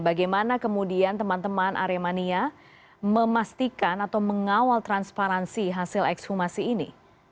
bagaimana kemudian teman teman aremania memastikan atau mengawal transparansi hasil ekshumasi ini